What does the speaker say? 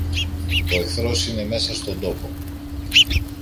Ο εχθρός είναι μέσα στον τόπο!